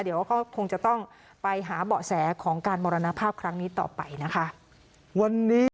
เดี๋ยวก็คงจะต้องไปหาเบาะแสของการมรณภาพครั้งนี้ต่อไปนะคะวันนี้